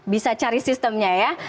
bisa cari sistemnya ya